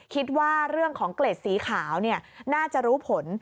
คิดว่าเรื่องของเกล็ดสีขาวน่าจะรู้ผล